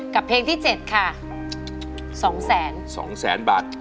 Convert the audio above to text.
เพลงที่๗ค่ะ๒๒๐๐๐๐บาท